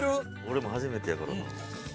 俺も初めてやからな。